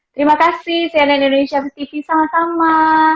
terima kasih cnn indonesia busi tv sama sama